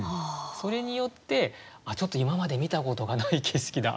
それによってちょっと今まで見たことがない景色だ